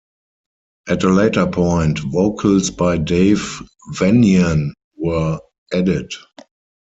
At a later point, vocals by Dave Vanian were added.